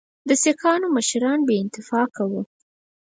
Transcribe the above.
د سیکهانو مشران بې اتفاقه وه.